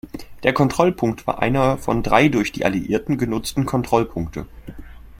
Der Kontrollpunkt war einer von drei durch die Alliierten genutzten Kontrollpunkte.